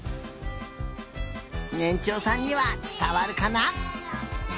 ねんちょうさんにはつたわるかな？